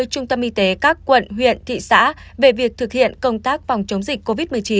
trung tâm y tế các quận huyện thị xã về việc thực hiện công tác phòng chống dịch covid một mươi chín